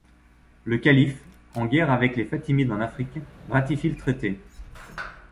Le calife, en guerre avec les Fatimides en Afrique, ratifie le traité.